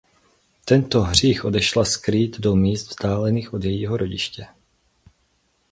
Tento hřích odešla skrýt do míst vzdálených od jejího rodiště.